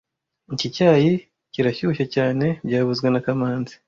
Iki cyayi kirashyushye cyane byavuzwe na kamanzi